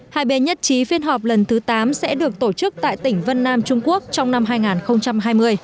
hai bên nhất trí phiên họp lần thứ tám sẽ được tổ chức tại tỉnh vân nam trung quốc trong năm hai nghìn hai mươi